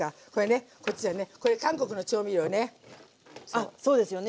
あっそうですよね